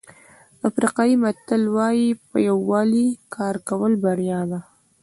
افریقایي متل وایي په یووالي کار کول بریا ده.